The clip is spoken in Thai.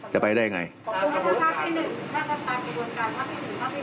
จะไปได้อย่างไร